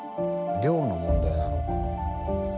量の問題なのかな。